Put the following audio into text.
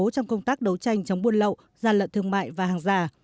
trong công tác đấu tranh chống buôn lậu gian lận thương mại và hàng giả